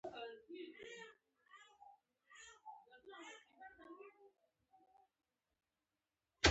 د کندهار د منگل د اوبو لوی زیرمه د غزنوي دورې ده